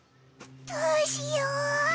どうしよう！